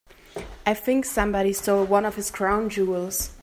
I think somebody stole one of his crown jewels.